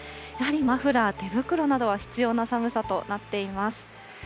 やはりマフラー、手袋などは必要な寒さとなっています。